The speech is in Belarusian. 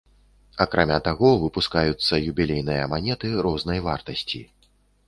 Акрамя таго, выпускаюцца юбілейныя манеты рознай вартасці.